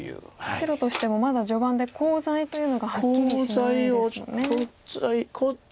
白としてもまだ序盤でコウ材というのがはっきりしないですもんね。